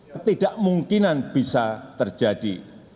ketidakmungkinan bisa terjadi